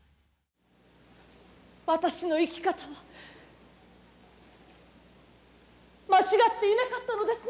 私の生き方は間違っていなかったのですね。